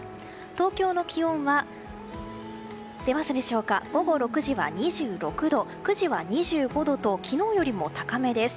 東京の気温は午後６時は２６度９時は２５度と昨日よりも高めです。